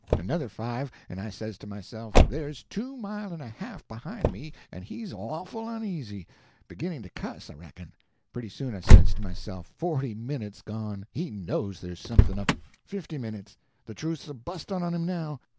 Another five, and I says to myself, there's two mile and a half behind me, and he's awful uneasy—beginning to cuss, I reckon. Pretty soon I says to myself, forty minutes gone—he knows there's something up! Fifty minutes—the truth's a busting on him now!